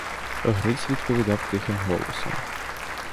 Гриць відповідав тихим голосом.